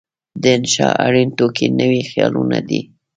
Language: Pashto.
د انشأ اړین توکي نوي خیالونه دي.